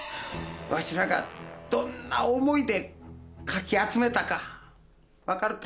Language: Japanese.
わしらがどんな思いでかき集めたか分かるか？